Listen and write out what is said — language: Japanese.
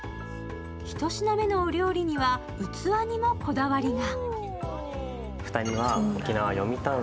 １品目のお料理には器にもこだわりが。